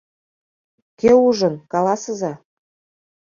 Кӧ ужын, каласыза.